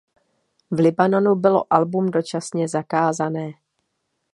V Libanonu bylo album dočasně zakázané.